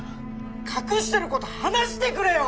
隠してること話してくれよ！